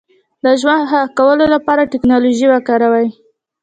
د ژوند ښه کولو لپاره ټکنالوژي وکاروئ.